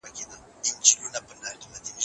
علم او پوهه د هر ډول پرمختګ لار ده.